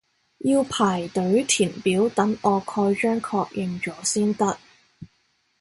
要排隊填表等我蓋章確認咗先得